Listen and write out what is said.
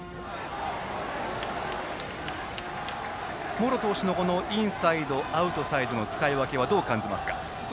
茂呂投手のインサイドアウトサイドの使い分けはどう感じますか？